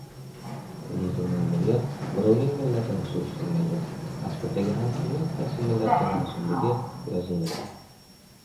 Lekin ma’muriyat birovning millatini surishtirmaydi, pasportiga ham kimning qaysi millatga mansubligi yozilmaydi.